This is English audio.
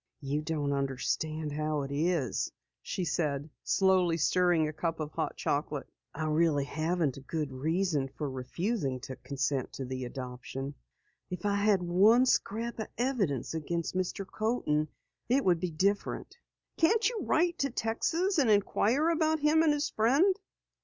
"You don't understand how it is," she said, slowly stirring a cup of hot chocolate. "I really haven't a good reason for refusing to consent to the adoption. If I had one scrap of evidence against Mr. Coaten it would be different." "Can't you write to Texas and inquire about him and his friend?"